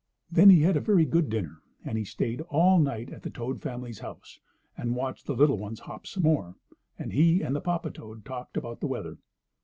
Then he had a very good dinner, and he stayed all night at the toad family's house and watched the little ones hop some more, and he and the papa toad talked about the weather.